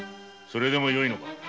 それでもよいのか！？